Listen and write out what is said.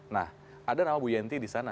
nah ada nama bu yenty disana